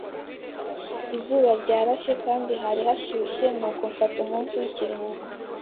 Izuba ryarashe kandi hari hashyushye, nuko mfata umunsi w'ikiruhuko.